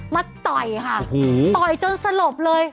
ต่อยค่ะต่อยจนสลบเลย